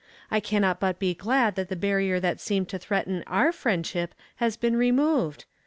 I cannot but be glad that the barrier that seemed to threaten our friendship has been removed.